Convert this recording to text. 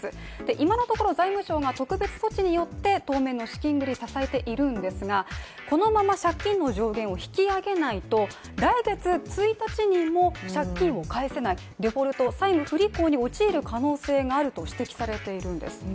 今のところ、財務省が特別措置によって、当面の資金繰りを支えているんですがこのまま借金の上限を引き上げないと来月１日にも借金を返せないデフォルト＝債務不履行に陥る可能性があると指摘されているんです。